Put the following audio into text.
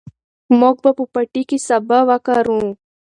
موږ به په پټي کې سابه وکرو.